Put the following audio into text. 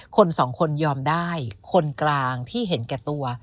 คนสองคนยอมได้คนกลางที่เห็นแก่ตัว